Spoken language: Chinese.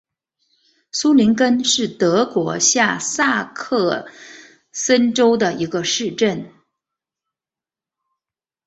苏林根是德国下萨克森州的一个市镇。